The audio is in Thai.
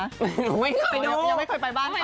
ไม่เคยดูยังไม่เคยไปบ้านพี่